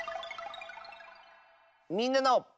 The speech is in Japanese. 「みんなの」。